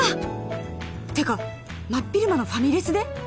てか真っ昼間のファミレスで？